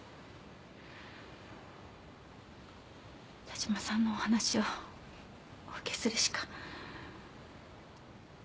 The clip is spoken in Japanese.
田島さんのお話をお受けするしか。